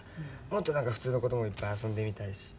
「もっとなんか普通の子ともいっぱい遊んでみたいし」